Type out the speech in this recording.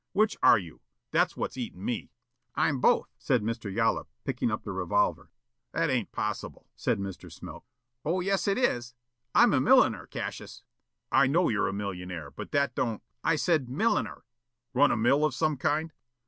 Which are you? That's what's eatin' me." "I'm both," said Mr. Yollop, picking up the revolver. "That ain't possible," said Mr. Smilk. "Oh, yes, it is. I'm a milliner, Cassius." "I know you're a millionaire, but that don't, " "I said milliner." "Run a mill of some kind?"